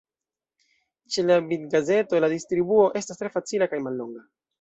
Ĉe la bitgazeto la distribuo estas tre facila kaj mallonga.